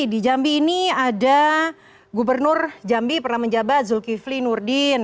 di jambi ini ada gubernur jambi pernah menjabat zulkifli nurdin